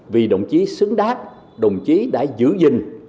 vì đồng chí xứng đáng đồng chí đã giữ gìn